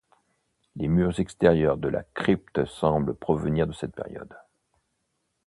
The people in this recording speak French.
Les murs extérieurs de la crypte semblent provenir de cette période.